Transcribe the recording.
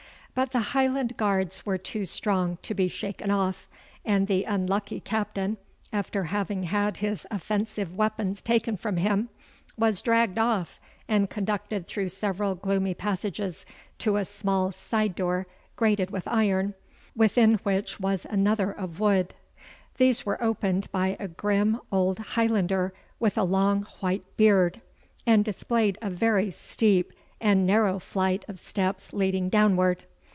But the Highland guards were too strong to be shaken off, and the unlucky Captain, after having had his offensive weapons taken from him, was dragged off and conducted through several gloomy passages to a small side door grated with iron, within which was another of wood. These were opened by a grim old Highlander with a long white beard, and displayed a very steep and narrow flight of steps leading downward.